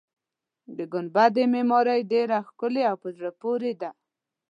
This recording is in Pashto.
د ګنبدې معمارۍ ډېره ښکلې او په زړه پورې ده.